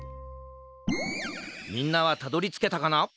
みんなはたどりつけたかな？